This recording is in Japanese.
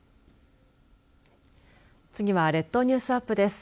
次は列島ニュースアップです。